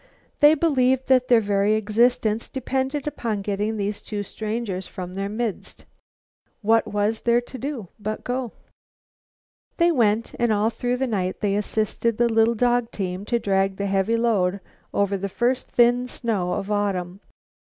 They believed that their very existence depended upon getting these two strangers from their midst. What was there to do but go? They went, and all through the night they assisted the little dog team to drag the heavy load over the first thin snow of autumn.